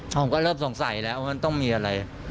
ผมก็เริ่มสงสัยแล้วมันต้องมีอะไร